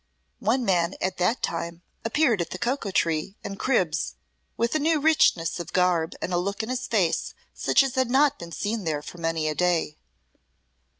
One man at that time appeared at the Cocoa Tree and Cribb's with a new richness of garb and a look in his face such as had not been seen there for many a day.